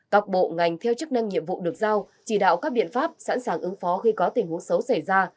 các bộ ngành theo chức năng nhiệm vụ được giao chỉ đạo các biện pháp sẵn sàng ứng phó khi có tình huống xấu xảy ra